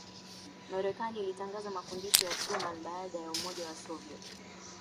Marekani ilitangaza Mafundisho ya Truman baada ya Umoja wa Soviet